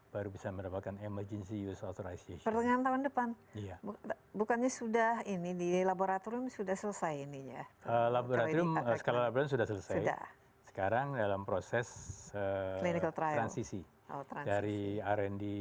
baru bisa mendapatkan emergency use authorization